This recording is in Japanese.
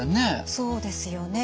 そうですよね。